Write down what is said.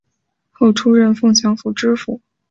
后出任凤翔府知府。